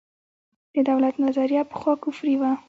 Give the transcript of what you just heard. د دولت نظریه پخوا کفري وه.